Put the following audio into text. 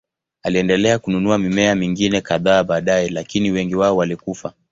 Aliendelea kununua mimea mingine kadhaa baadaye, lakini wengi wao walikufa.